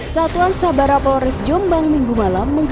satuan sabara polres jombang minggu malam